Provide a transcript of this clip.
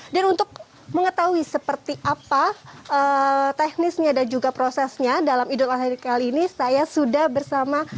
dan untuk mengetahui seperti apa teknisnya dan juga prosesnya dalam idul adha hari ini saya sudah bersama